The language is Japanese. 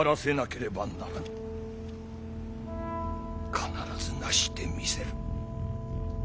必ず成してみせる。